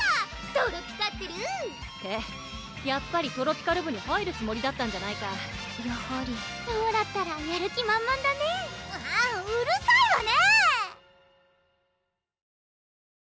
トロピカってるってやっぱりトロピカる部に入るつもりだったんじゃないかやはりローラったらやる気満々だねあぁうるさいわね！